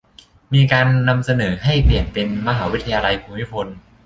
มีการเสนอให้เปลี่ยนเป็น "มหาวิทยาลัยภูมิพล"